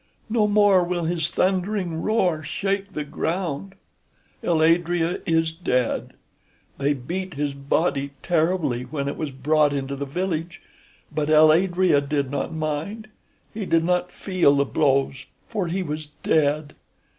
No more will his thundering roar shake the ground. El Adrea is dead. They beat his body terribly when it was brought into the village; but El Adrea did not mind. He did not feel the blows, for he was dead.